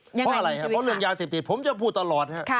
เพราะอะไรเพราะเรื่องยาเสพติดผมจะพูดตลอด